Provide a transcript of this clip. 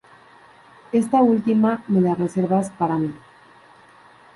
Esta última me la reservas para mí".